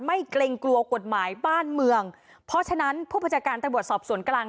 เกรงกลัวกฎหมายบ้านเมืองเพราะฉะนั้นผู้บัญชาการตำรวจสอบสวนกลาง